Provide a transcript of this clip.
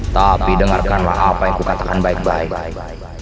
tapi dengarkanlah apa yang kukatakan baik baik